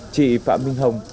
chị phạm minh hồng